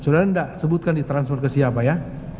ditebutkan di transfer ke siapa ya